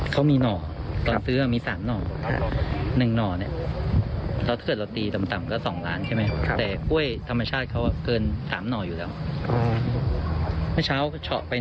ก่อนหน้านี้ประมาณอาทิตย์นะครับแล้วสงสัยให้เข้าไป